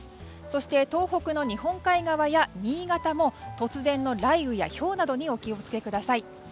そして、東北の日本海側や新潟も突然の雷雨や、ひょうなどにお気を付けください。